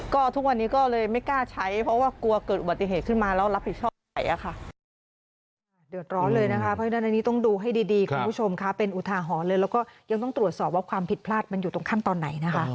ก็ทุกวันนี้ก็เลยไม่กล้าใช้เพราะว่ากลัวเกิดอุบัติเหตุขึ้นมาแล้วรับผิดชอบไปค่ะ